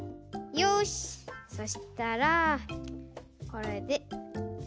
よしそしたらこれで。